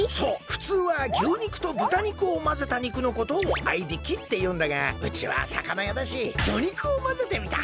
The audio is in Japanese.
ふつうは牛肉と豚肉をまぜた肉のことを合いびきっていうんだがうちはさかなやだし魚肉をまぜてみた。